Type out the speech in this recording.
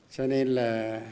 cho nên là